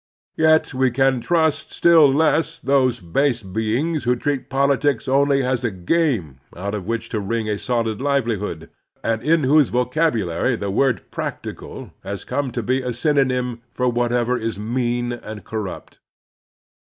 Yet we can trust still less those base beings who treat politics only as a game out of which to wring a soiled livelihood, and in whose vocabulary the word practical has come to be a synon)rm for what ever is mean and corrupt.